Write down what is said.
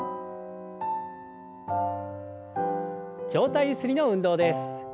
上体ゆすりの運動です。